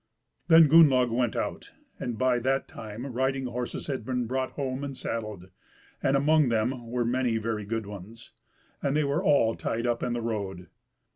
Then Gunnlaug went out, and by that time riding horses had been brought home and saddled, and among them were many very good ones; and they were all tied up in the road.